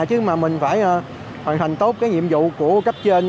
chứ mà mình phải hoàn thành tốt cái nhiệm vụ của cấp trên